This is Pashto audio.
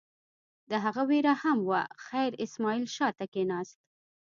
د هغه وېره هم وه، خیر اسماعیل شا ته کېناست.